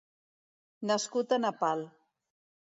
Nascut a Nepal.